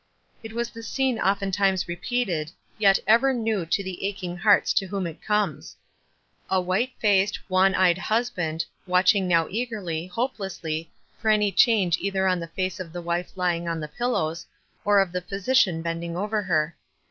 It was the scene oftentimes repeated, yet ever new to the aching hearts to whom it comes. A white faced, wan eyed husband, watching now eager!}', now hope lessly, for any change either on the face of the wife lying among the pillows, or of the physi cian bending over her.